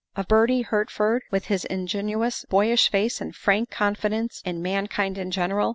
Of Bertie Hertford with his ingenuous boyish face and frank confidence in mankind in general?